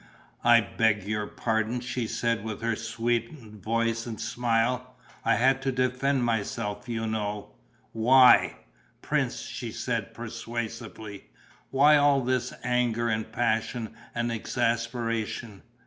"I beg your pardon," she said, with her sweetened voice and smile. "I had to defend myself, you know." "Why?" "Prince," she said, persuasively, "why all this anger and passion and exasperation?